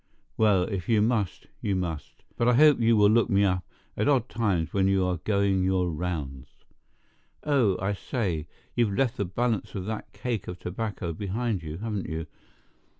Well, if you must, you must; but I hope you will look me up at odd times when you are going your rounds. Oh, I say, you've left the balance of that cake of tobacco behind you, haven't you?